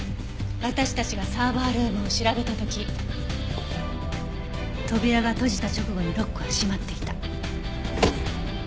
私たちがサーバールームを調べた時扉が閉じた直後にロックは閉まっていた。